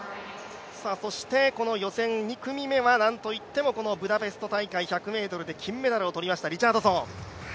そして、この予選２組目はなんといってもブダペスト大会１００ｍで金メダルを取りましたリチャードソン。